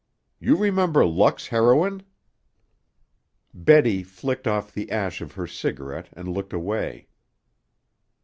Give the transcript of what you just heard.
You remember Luck's heroine?" Betty flicked off the ash of her cigarette and looked away.